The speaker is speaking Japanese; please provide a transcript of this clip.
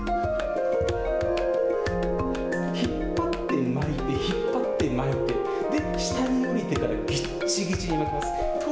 引っ張って巻いて引っ張って巻いてで、下に降りてからぎちぎちに。